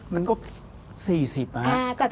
มันก็๔๐ค่ะ